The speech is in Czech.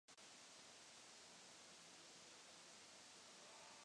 V medailonu byl barevně smaltovaný státní znak Rumunské socialistické republiky.